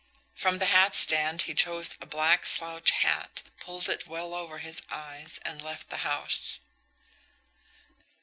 From the hat stand he chose a black slouch hat, pulled it well over his eyes and left the house.